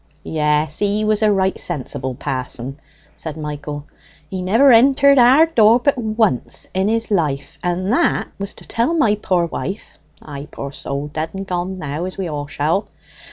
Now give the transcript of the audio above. "Yes, he was a right sensible pa'son," said Michael. "He never entered our door but once in his life, and that was to tell my poor wife ay, poor soul, dead and gone now, as we all shall!